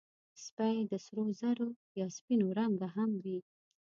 سپي د سرو زرو یا سپینو رنګه هم وي.